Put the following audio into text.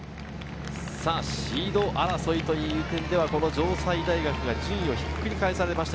シード争いという点では、この城西大学が順位をひっくり返されました。